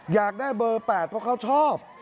อยากได้เบอร์๘เพราะเขาชอบ